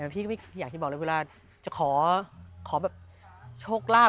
พี่อยากจะบอกเลยเวลาจะขอแบบชกลาบ